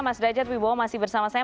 mas derajat wibowo masih bersama saya